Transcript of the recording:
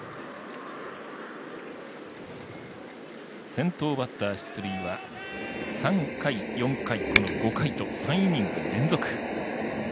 先頭バッター出塁は３回、４回、５回と３イニング連続。